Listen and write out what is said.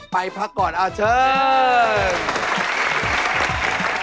ไปพักก่อนเอาเชิญ